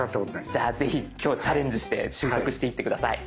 じゃあぜひ今日はチャレンジして習得していって下さい。